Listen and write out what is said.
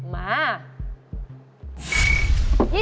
๒๔บาท